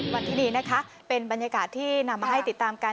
วันที่นี้นะคะเป็นบรรยากาศที่นำมาให้ติดตามกัน